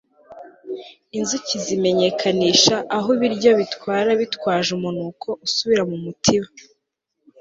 Inzuki zimenyekanisha aho ibiryo bitwara bitwaje umunuko usubira mu mutiba